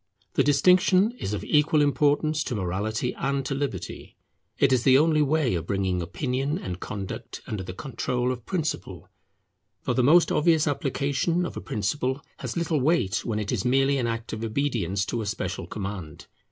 The distinction is of equal importance to morality and to liberty. It is the only way of bringing opinion and conduct under the control of principle; for the most obvious application of a principle has little weight when it is merely an act of obedience to a special command.